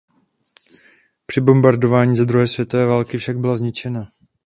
Při bombardování za druhé světové války však byla zničena.